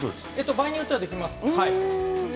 ◆場合によってはできます、はい。